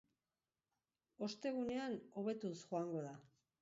Ostegunean hobetuz joango da.